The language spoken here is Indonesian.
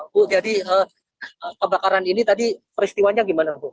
bu jadi kebakaran ini tadi peristiwanya gimana bu